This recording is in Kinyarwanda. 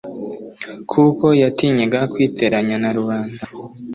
kuko yatinyaga kwiteranya na rubanda